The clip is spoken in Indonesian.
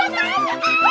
udah gue mau buka